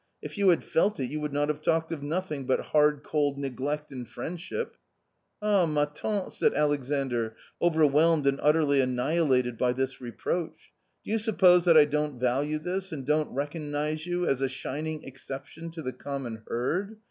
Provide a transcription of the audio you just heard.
If you had felt it, you would not have talked of nothing but " hard cold neglect in friendship." "Ah, matan.tel" said Alexandr, overwhelmed and utterly annihilated by this reproach, " do you suppose that I don't value this and don't reckon you as a shining exception to the common herd